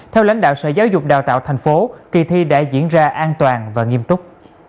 theo lãnh đạo sở giáo dục đào tạo thành phố kỳ thi đã diễn ra an toàn và nghiêm túc